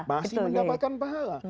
masih mendapatkan pahala